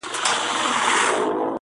زه پور غواړم، ته نور غواړې.